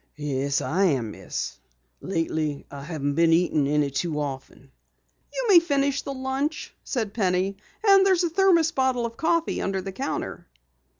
"Yes, I am, Miss. Lately I haven't been eating any too often." "You may finish the lunch," said Penny. "And there's a thermos bottle of coffee under the counter."